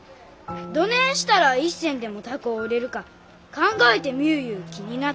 どねんしたら一銭でも高う売れるか考えてみゅういう気になった。